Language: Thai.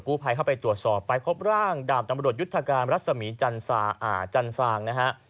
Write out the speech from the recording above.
ภัยเข้าไปตรวจสอบไปพบร่างดาบตำรวจยุทธการรัศมีจันซางนะฮะ